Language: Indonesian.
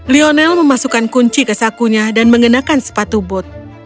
lionel memasukkan kunci ke sakunya dan mengenakan sepatu bot